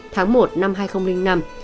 tháng một năm hai nghìn năm